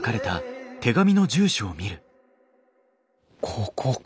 ここか。